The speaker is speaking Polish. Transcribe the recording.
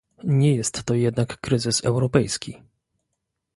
Nie jest to jednak kryzys europejski